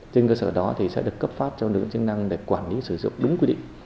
trên cơ sở đó thì sẽ được cấp pháp cho đơn vị chức năng để quản lý sử dụng đúng quy định